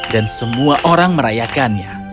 dan semua orang merayakannya